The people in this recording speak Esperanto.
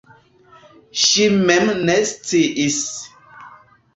Ŝi mem ne sciis.